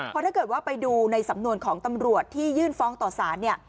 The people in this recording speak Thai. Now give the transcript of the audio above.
เพราะถ้าเกิดว่าไปดูในสำนวนของตำรวจที่ยื่นฟ้องต่อสารเนี่ย